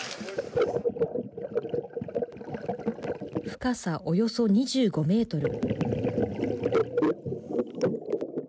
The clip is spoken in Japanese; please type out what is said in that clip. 深さ、およそ２５メートル。